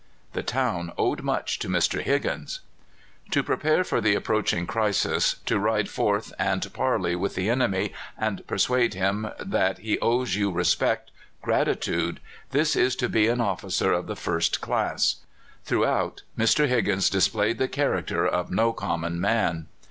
The town owed much to Mr. Higgins! To prepare for the approaching crisis, to ride forth and parley with the enemy and persuade him that he owes you respect, gratitude this is to be an officer of the first class. Throughout Mr. Higgins displayed the character of no common man.